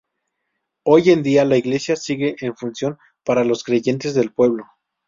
Hoy en día la iglesia sigue en función para los creyentes del pueblo.